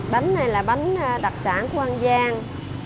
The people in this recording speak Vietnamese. bánh này là bánh đặc sản của an giang